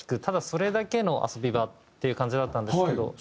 ただそれだけの遊び場っていう感じだったんですけど。